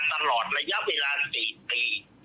ตลอดระยะเวลา๔ปี